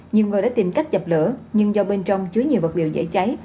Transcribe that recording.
nhưng vừa đã tìm cách dập lửa nhưng do bên trong chứa nhiều vật liệu dễ cháy